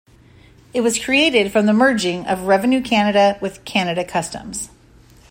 It was created from the merging of Revenue Canada with Canada Customs.